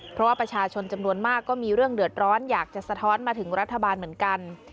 เพราะว่าประชาชนจำนวนมากก็มีเรื่องเดือดร้อนอยากจะสะท้อนมาถึงรัฐบาลเหมือนกัน